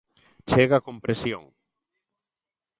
Chega con presión.